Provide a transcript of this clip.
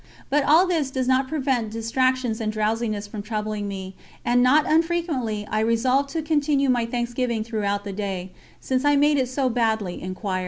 But all this does not prevent distractions and drowsiness from troubling me, and not unfrequently I resolve to continue my thanksgiving throughout the day, since I made it so badly in choir.